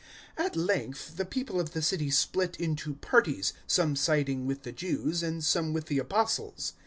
014:004 At length the people of the city split into parties, some siding with the Jews and some with the Apostles.